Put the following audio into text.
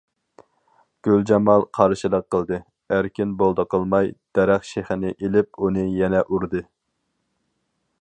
گۈلجامال قارشىلىق قىلدى، ئەركىن بولدى قىلماي، دەرەخ شېخىنى ئېلىپ، ئۇنى يەنە ئۇردى.